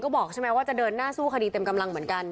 ก็บอกใช่ไหมว่าจะเดินหน้าสู้คดีเต็มกำลังเหมือนกัน